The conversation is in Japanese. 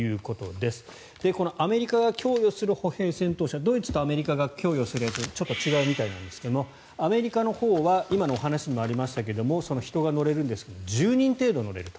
ドイツとアメリカが供与するやつちょっと違うみたいなんですがアメリカのほうは今のお話にもありましたが人が乗れるんですが１０人程度乗れると。